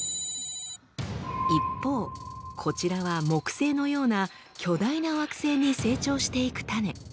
一方こちらは木星のような巨大な惑星に成長していく種。